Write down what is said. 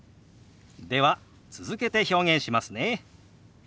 では続けて表現しますね。